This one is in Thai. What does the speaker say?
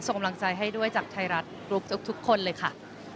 กำลังใจให้ด้วยจากไทยรัฐกรุ๊ปทุกคนเลยค่ะ